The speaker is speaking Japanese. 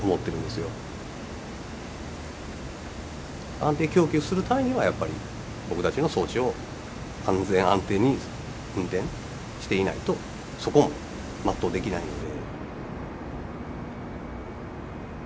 安定供給するためにはやっぱり僕たちの装置を安全・安定に運転していないとそこも全うできないので。